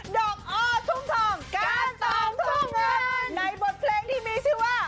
ดอกอ้อทุ่งทองการตอบทุ่งในบทเพลงที่มีชื่อว่า